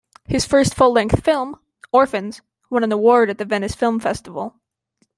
His first full-length film, "Orphans", won an award at the Venice Film Festival.